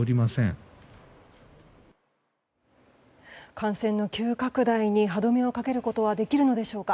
感染の急拡大に歯止めをかけることはできるのでしょうか。